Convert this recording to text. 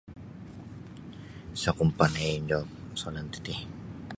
Isa ku mapandai da soalan titi.